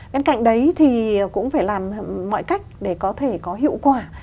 bên cạnh đấy thì cũng phải làm mọi cách để có thể có hiệu quả